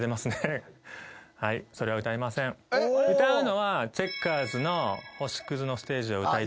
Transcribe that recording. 歌うのは。